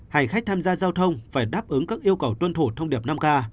hành khách tham gia giao thông phải đáp ứng các yêu cầu tuân thủ thông điệp năm k